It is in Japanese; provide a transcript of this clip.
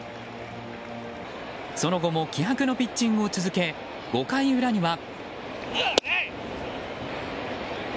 その後も気迫のピッチングを続け５回裏には。